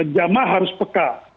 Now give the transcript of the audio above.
jamaah harus peka